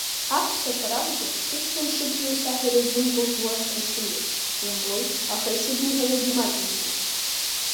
Аҳәсақәа ракәзар, сыҷәкын дшыбзиоу саҳәара ззымгәаӷьуа рацәаҩуп, умбои, аха исыдныҳәалогьы маҷҩӡам.